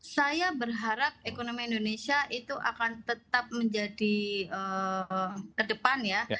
saya berharap ekonomi indonesia itu akan tetap menjadi ke depan ya